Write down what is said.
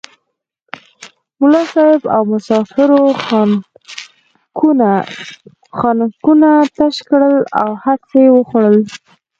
ملا صاحب او مسافرو خانکونه تش کړل هر څه یې وخوړل.